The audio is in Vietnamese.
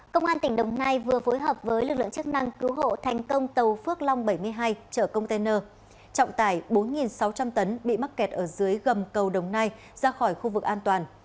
công an tỉnh đồng nai vừa phối hợp với lực lượng chức năng cứu hộ thành công tàu phước long bảy mươi hai chở container trọng tải bốn sáu trăm linh tấn bị mắc kẹt ở dưới gầm cầu đồng nai ra khỏi khu vực an toàn